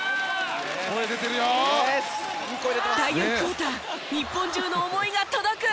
第４クオーター日本中の思いが届く。